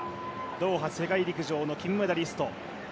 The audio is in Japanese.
ドーハ世界陸上の金メダリスト。